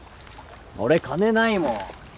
俺金ないもん。